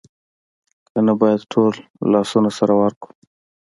که نه باید ټول لاسونه سره ورکړو